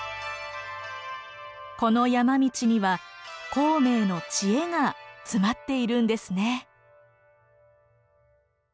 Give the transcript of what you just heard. この山道には孔明の知恵が詰まっているんですね。